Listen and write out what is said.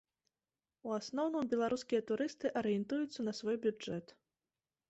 У асноўным, беларускія турысты арыентуюцца на свой бюджэт.